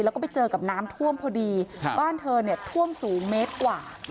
แล้วก็ไปเจอกับน้ำท่วมพอดีบ้านเธอเนี่ยท่วมสูงเมตรกว่า